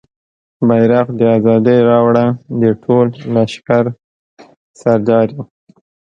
بیرغ د ازادۍ راوړه د ټول لښکر سردارې